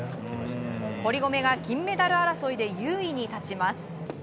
堀米が金メダル争いで優位に立ちます。